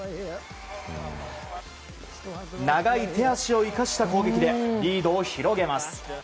長い手足を生かした攻撃でリードを広げます。